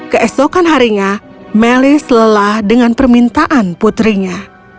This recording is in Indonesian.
keesokan harinya melis lelah dengan permintaan putrinya